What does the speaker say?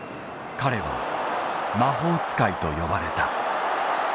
彼は「魔法使い」と呼ばれた。